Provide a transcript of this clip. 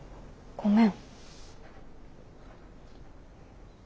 ごめん。